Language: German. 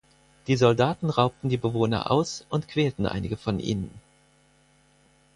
Die Soldaten raubten die Bewohner aus und quälten einige von ihnen.